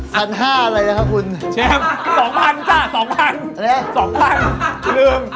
สันห้าอะไรนะครับคุณแชฟสองพันจ้ะสองพันสองพันลืม